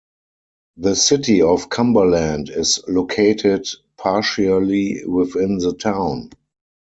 The City of Cumberland is located partially within the town.